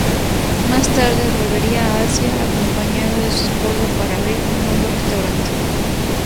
Más tarde, volvería a Asia acompañado de su esposa para abrir un nuevo restaurante.